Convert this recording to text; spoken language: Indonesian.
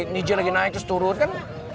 niji lagi naik terus turun kan